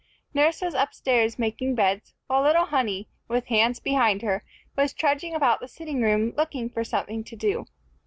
Nurse was up stairs making beds, while little Honey, with hands behind her, was trudging about the sitting room looking for something to do.